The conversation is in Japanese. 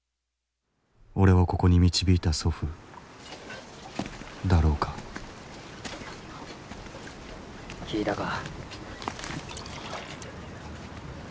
俺をここに導いた祖父だろうか聞いたか？